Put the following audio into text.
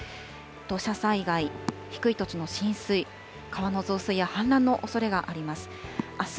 土砂災害、低い土地の浸水、川の増水や氾濫のおそれがあります。